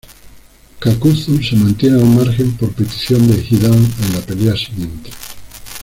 Kakuzu se mantiene al margen por petición de Hidan en la pelea siguiente.